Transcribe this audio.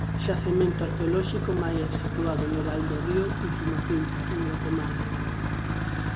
Xacemento arqueolóxico maia situado no val do río Usumacinta, en Guatemala.